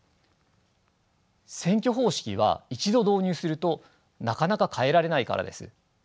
選挙方式は一度導入するとなかなか変えられないからです。